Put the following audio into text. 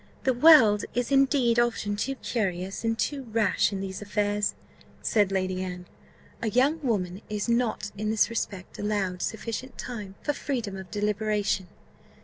"The world is indeed often too curious, and too rash in these affairs," said Lady Anne. "A young woman is not in this respect allowed sufficient time for freedom of deliberation.